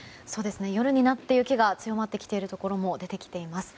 夜になって雪が強まってきているところも出てきています。